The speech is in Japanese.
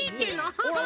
ハハハハ。